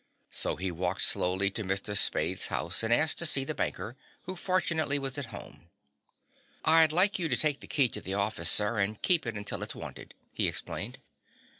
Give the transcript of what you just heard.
So he walked slowly to Mr. Spaythe's house and asked to see the banker, who fortunately was at home. "I'd like you to take the key to the office, sir, and keep it until it's wanted," he explained.